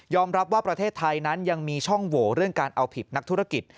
รับว่าประเทศไทยนั้นยังมีช่องโหวเรื่องการเอาผิดนักธุรกิจ